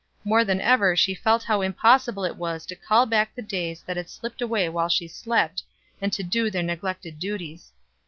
More than ever she felt how impossible it was to call back the days that had slipped away while she slept, and do their neglected duties.